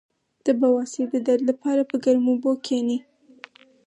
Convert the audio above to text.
د بواسیر د درد لپاره په ګرمو اوبو کینئ